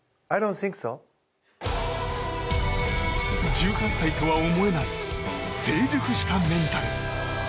１８歳とは思えない成熟したメンタル。